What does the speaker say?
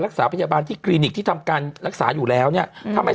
รักษาพยาบาลที่คลินิกที่ทำการรักษาอยู่แล้วเนี่ยทำไม